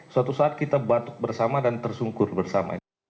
suatu saat kita batuk bersama dan tersungkur bersama ini